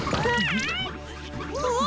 うわ！